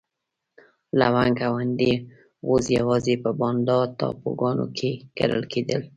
لونګ او هندي غوز یوازې په بانډا ټاپوګانو کې کرل کېدل.